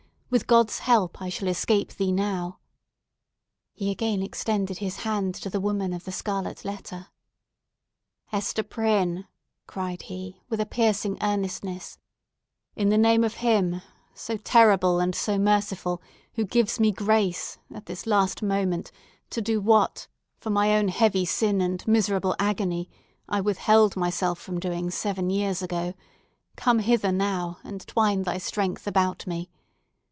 With God's help, I shall escape thee now!" He again extended his hand to the woman of the scarlet letter. "Hester Prynne," cried he, with a piercing earnestness, "in the name of Him, so terrible and so merciful, who gives me grace, at this last moment, to do what—for my own heavy sin and miserable agony—I withheld myself from doing seven years ago, come hither now, and twine thy strength about me!